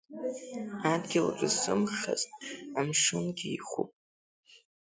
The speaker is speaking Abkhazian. Адгьыл рзымхазт, амшынгьы ихуп.